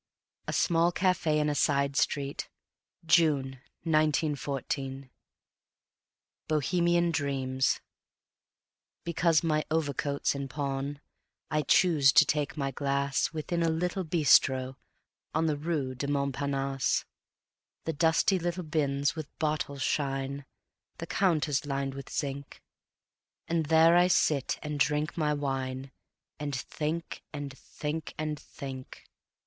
II A Small Cafe in a Side Street, June 1914. The Bohemian Dreams Because my overcoat's in pawn, I choose to take my glass Within a little bistro on The rue du Montparnasse; The dusty bins with bottles shine, The counter's lined with zinc, And there I sit and drink my wine, And think and think and think.